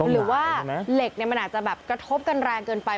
หรือว่าเหล็กมันอาจจะแบบกระทบกันแรงเกินไป